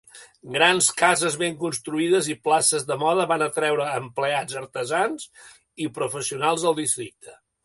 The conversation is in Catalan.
Grans cases ben construïdes i places de moda van atreure a empleats, artesans i professionals al districte.